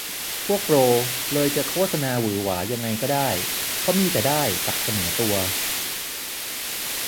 พวกโปรเลยจะโฆษณาหวือหวายังไงก็ได้ เพราะมีแต่ได้กับเสมอตัว